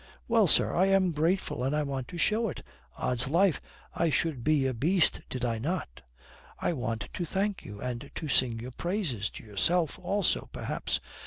Well, sir, I am grateful, and I want to show it. Odds life, I should be a beast did I not. I want to thank you and to sing your praises to yourself also perhaps.